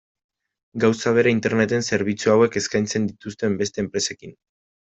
Gauza bera Interneten zerbitzu hauek eskaintzen dituzten beste enpresekin.